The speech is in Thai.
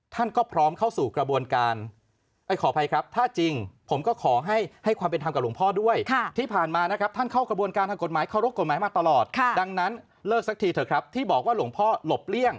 ที่บอกว่าหลวงพ่อหลบเลี่ยง